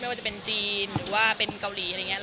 ไม่ว่าจะเป็นจีนหรือเป็นเกาหลีอะไรอย่างแบบนี้